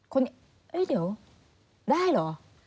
เอ้ยเดี๋ยวได้เหรอ